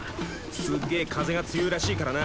すっげえ風が強いらしいからな。